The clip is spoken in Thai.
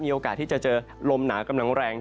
มีโอกาสที่จะเจอลมหนากำลังแรง